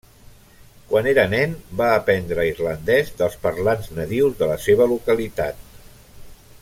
Quan era nen va aprendre irlandès dels parlants nadius de la seva localitat.